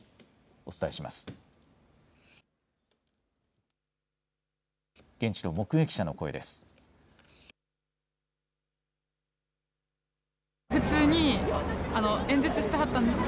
お伝えします。